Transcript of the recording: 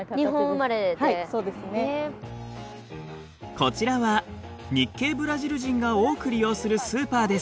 こちらは日系ブラジル人が多く利用するスーパーです。